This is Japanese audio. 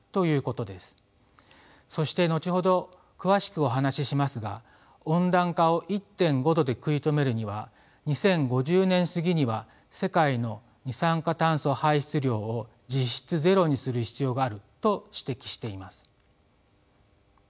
そして後ほど詳しくお話ししますが温暖化を１．５℃で食い止めるには２０５０年過ぎには世界の二酸化炭素排出量を実質ゼロにする必要があると指摘しています。